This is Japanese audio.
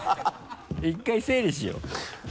１回整理しよう。